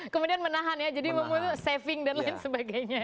kemudian menahan ya jadi memutus saving dan lain sebagainya